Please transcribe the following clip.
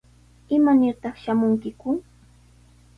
¿Imanirtaq shamunkiku?